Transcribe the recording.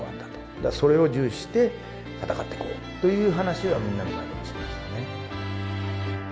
だからそれを重視して戦っていこうという話はみんなの前でもしましたね。